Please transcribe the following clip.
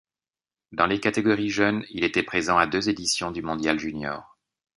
Dans les catégories jeunes, il était présent à deux éditions du mondial junior.